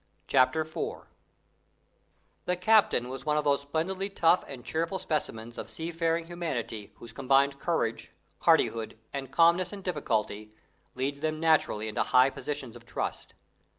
CHAPTER IV The captain was one of those splendidly tough and cheerful specimens of seafaring humanity whose combined courage, hardihood, and calmness in difficulty leads them naturally into high positions of trust.